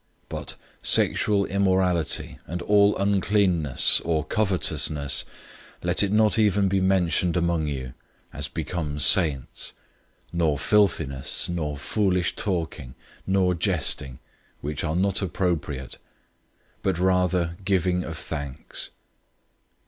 005:003 But sexual immorality, and all uncleanness, or covetousness, let it not even be mentioned among you, as becomes saints; 005:004 nor filthiness, nor foolish talking, nor jesting, which are not appropriate; but rather giving of thanks.